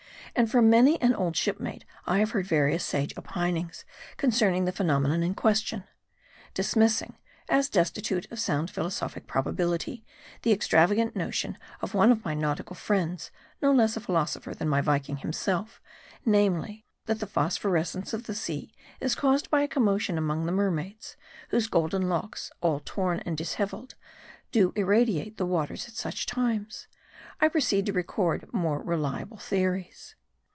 And from many an old shipmate I have heard various sage opin ings, concerning the phenomenon in question. Dismissing, as destitute of sound philosophic probability, the extravagant notion of one of my nautical friends no less a philosopher than my Viking himself namely : that the phosphoresence of the sea is caused by a commotion among the mermaids, whose golden locks, all torn and disheveled, do irradiate the waters at such times ; I proceed to record more reliable theories.